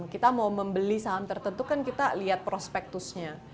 kita mau membeli saham tertentu kan kita lihat prospektusnya